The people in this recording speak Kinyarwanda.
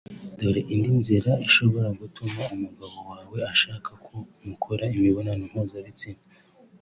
Dore indi nzira ishobora gutuma umugabo wawe ashaka ko mukora imibonano mpuzabitsina